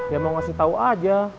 ya mau ngasih tau aja